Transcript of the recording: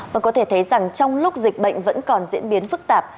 và có thể thấy rằng trong lúc dịch bệnh vẫn còn diễn biến phức tạp